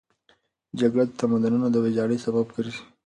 جګړه د تمدنونو د ویجاړۍ سبب ګرځي.